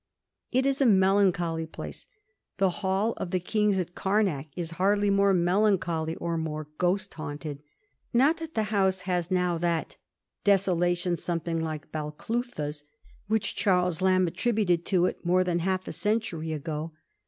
It is a melancholy place. The Hall of the Kings at Eamak is hardly more melancholy or more ghost haunted. Not that the house has now that ^ desolation something like Balclutha's' which Charles Lamb attributed to it more than half a century ago.